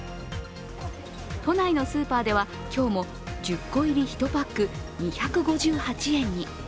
都内のスーパーでは、今日も１０個入り１パック２５８円に。